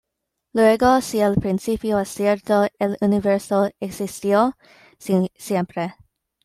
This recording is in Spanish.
Luego, si el principio es cierto, el universo existió siempre.